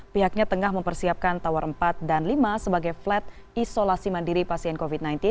pihaknya tengah mempersiapkan tower empat dan lima sebagai flat isolasi mandiri pasien covid sembilan belas